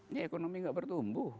ini ekonomi gak bertumbuh